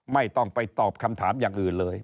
ไม่ต้องไปตอบคำถามอย่างอื่นเลย